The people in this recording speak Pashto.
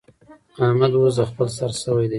احمد اوس د خپل سر شوی دی.